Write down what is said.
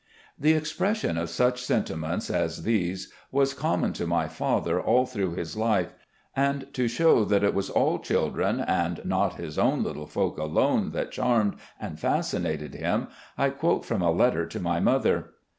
The expression of such sentiments as these was common to my father all through his life, and to show that it was SERVICES IN THE ARMY 17 all children, and not his own little folk alone that charmed and fascinated him, I quote from a letter to my mother